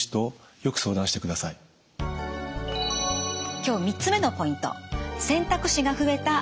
今日３つ目のポイント。